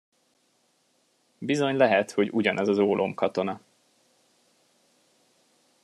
Bizony lehet, hogy ugyanaz az ólomkatona!